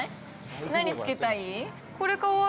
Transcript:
◆何つけたい？